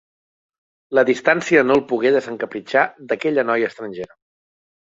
La distància no el pogué desencapritxar d'aquella noia estrangera.